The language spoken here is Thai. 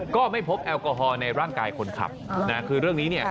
ก็ไม่พบแอลกอฮอลในร่างกายคนขับนะคือเรื่องนี้เนี่ย